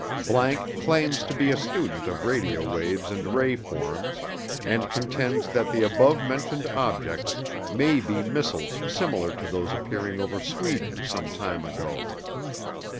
____ claims to be a student of radio waves and ray forms, and contends that the above mentioned objects may be missiles similar to those appearing over Sweden some time ago.